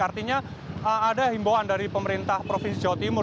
artinya ada himbauan dari pemerintah provinsi jawa timur